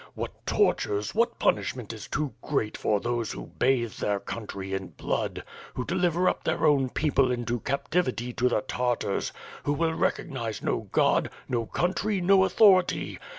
What tortures, what punishment is too great for those who bathe their country in blood; who deliver up their own people into WITH FIRB AND SWORD. 417 captivity to the Tartars; who will recognize no God, no country, no authority.